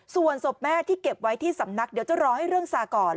ส่วนศพแม่ที่เก็บไว้ที่สำนักเดี๋ยวจะรอให้เรื่องซาก่อน